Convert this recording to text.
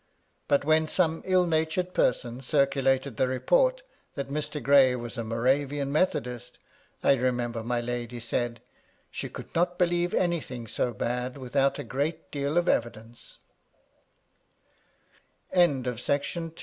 But when dome ill natured person circulated the report that Mr. Gray was a Moravian Methodist, I remember my lady said, " She could not believe anything so bad, without a great deal of